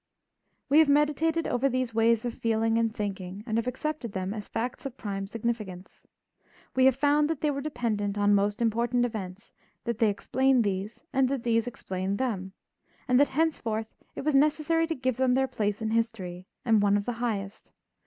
We have meditated over these ways of feeling and thinking and have accepted them as facts of prime significance. We have found that they were dependent on most important events, that they explain these, and that these explain them, and that henceforth it was necessary to give them their place in history, and one of the highest.